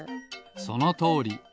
そのとおり。